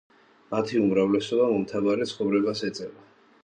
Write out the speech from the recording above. მათი უმრავლესობა მომთაბარე ცხოვრებას ეწევა.